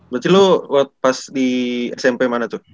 berarti lo pas di smp mana tuh